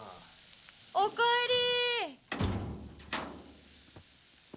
おかえり！